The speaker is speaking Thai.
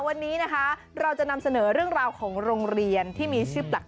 วันนี้นะคะเราจะนำเสนอเรื่องราวของโรงเรียนที่มีชื่อแปลก